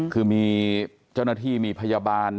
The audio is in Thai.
คือมีเจ้าหน้าที่มีพยาบาล